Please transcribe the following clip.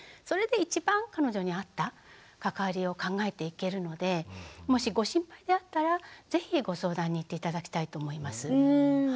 それで一番彼女に合った関わりを考えていけるのでもしご心配であったら是非ご相談に行って頂きたいと思います。